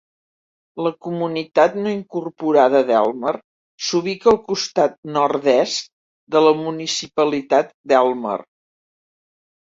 La comunitat no incorporada d'Elmer s'ubica al costat nord-est de la municipalitat d'Elmer.